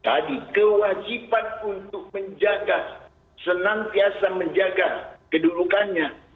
tadi kewajiban untuk menjaga senantiasa menjaga kedudukannya